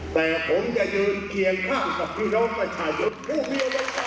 แต่ผมจะยืนเกียงข้างกับพิเศษประชายุทธ์ผู้เวียวไว้ก่อน